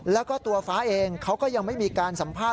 แล้วก็ตัวฟ้าเองเขาก็ยังไม่มีการสัมภาษณ